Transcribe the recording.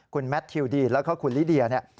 คุณแมททิวดีและคุณลิดียา